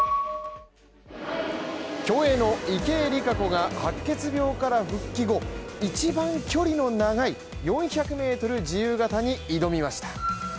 競泳の池江璃花子が白血病から復帰後、一番距離の長い４００ｍ自由形に挑みました。